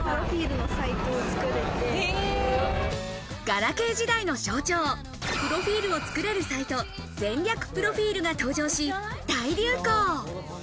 ガラケー時代の象徴、プロフィールをつくれるサイト、前略プロフィールが登場し、大流行。